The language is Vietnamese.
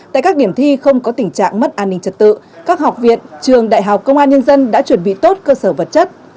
tại các điểm thi không có tình trạng mất an ninh trật tự các học viện trường đại học công an nhân dân đã chuẩn bị tốt cơ sở vật chất